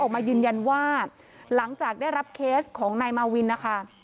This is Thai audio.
ออกมายืนยันว่าหลังจากได้รับเคสของนายมาวินนะคะ